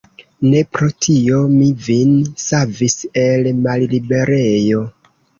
Ne pro tio mi vin savis el malliberejo.